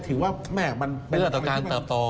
ถือว่ามันเกื้อต่อการเติบโต